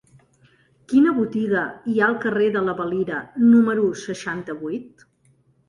Quina botiga hi ha al carrer de la Valira número seixanta-vuit?